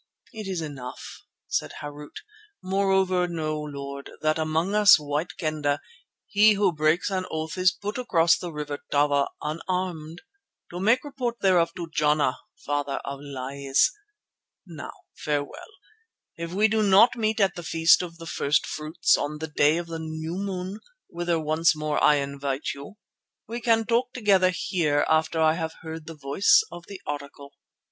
"It is enough," said Harût; "moreover, know, Lord, that among us White Kendah he who breaks an oath is put across the River Tava unarmed to make report thereof to Jana, Father of Lies. Now farewell. If we do not meet at the Feast of the First fruits on the day of the new moon, whither once more I invite you, we can talk together here after I have heard the voice of the Oracle."